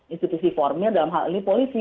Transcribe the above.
institusi formil dalam hal ini polisi